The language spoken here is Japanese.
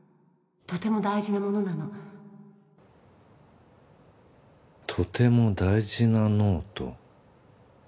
とても大事なものなのとても大事なノート。